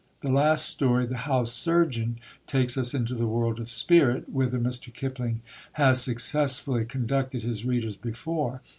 The last story, The House Surgeon, takes us into the world of spirit, whither Mr. Kipling has successfully conducted his readers before.